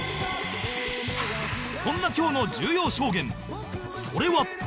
そんな今日の重要証言それは